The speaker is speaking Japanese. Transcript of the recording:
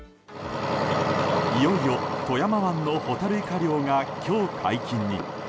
いよいよ、富山湾のホタルイカ漁が今日解禁に。